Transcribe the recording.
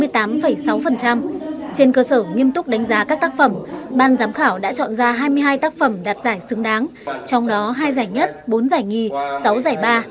trên cơ sở nghiêm túc đánh giá các tác phẩm ban giám khảo đã chọn ra hai mươi hai tác phẩm đạt giải xứng đáng trong đó hai giải nhất bốn giải nhì sáu giải ba